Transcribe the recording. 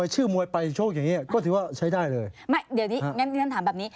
สุรชัยหน้าแขกแถม